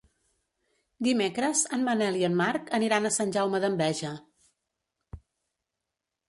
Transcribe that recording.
Dimecres en Manel i en Marc aniran a Sant Jaume d'Enveja.